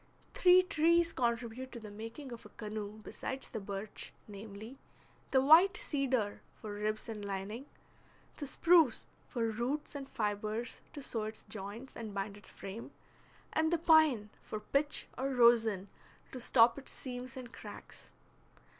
Three trees contribute to the making of a canoe besides the birch, namely, the white cedar for ribs and lining, the spruce for roots and fibres to sew its joints and bind its frame, and the pine for pitch or rosin to stop its seams and cracks.